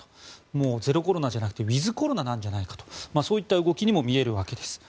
もうゼロコロナじゃなくてウィズコロナなんじゃないかとそういった動きにも見えるわけです。